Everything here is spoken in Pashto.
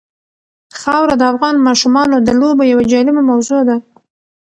خاوره د افغان ماشومانو د لوبو یوه جالبه موضوع ده.